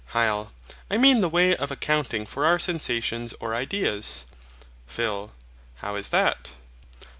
HYL. I mean the way of accounting for our sensations or ideas. PHIL. How is that?